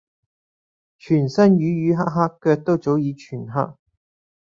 全身瘀瘀黑黑，腳也早已全黑